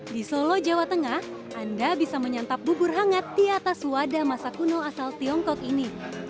di solo jawa tengah anda bisa menyantap bubur hangat di atas wadah masa kuno asal tiongkok ini